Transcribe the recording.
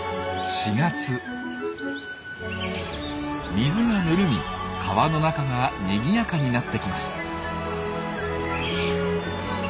水がぬるみ川の中がにぎやかになってきます。